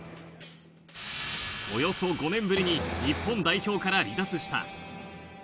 およそ５年ぶりに日本代表から離脱した。